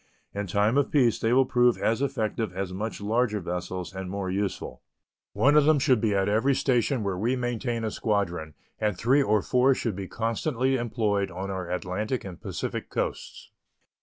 In time of peace they will prove as effective as much larger vessels and more useful. One of them should be at every station where we maintain a squadron, and three or four should be constantly employed on our Atlantic and Pacific coasts.